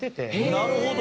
なるほど！